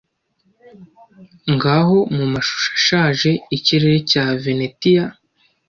ngaho mumashusho ashaje ikirere cya venetiya